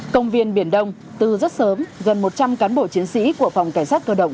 công viên biển đông từ rất sớm gần một trăm linh cán bộ chiến sĩ của phòng cảnh sát cơ động